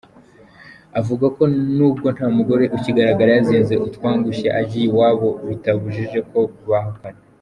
Avuga ko nubwo nta mugore ukigaragara yazinze utwangushye agiye iwabo, bitabujije ko bahukana.